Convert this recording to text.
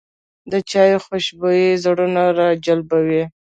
د چای خوشبويي زړونه راجلبوي